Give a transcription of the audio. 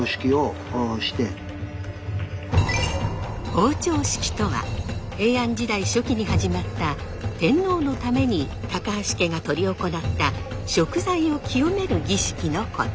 包丁式とは平安時代初期に始まった天皇のために高橋家が執り行った食材を清める儀式のこと。